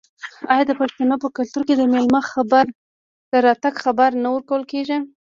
آیا د پښتنو په کلتور کې د میلمه د راتګ خبر نه ورکول کیږي؟